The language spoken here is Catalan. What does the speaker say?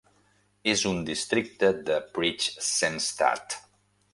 És un districte de Prichsenstadt.